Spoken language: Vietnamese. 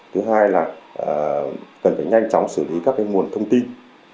thứ hai là cần phải nhanh chóng xử lý các nguồn thông tin